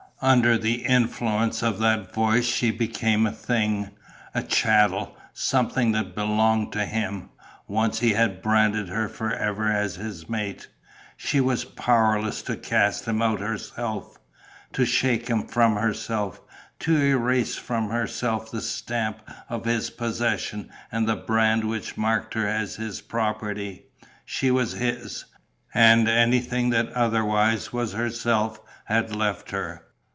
Under the influence of that voice she became a thing, a chattel, something that belonged to him, once he had branded her for ever as his mate. She was powerless to cast him out of herself, to shake him from herself, to erase from herself the stamp of his possession and the brand which marked her as his property. She was his; and anything that otherwise was herself had left her.